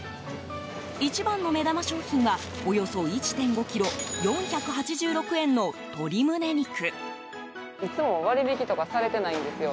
一番の目玉商品はおよそ１．５ｋｇ４８６円の鶏胸肉。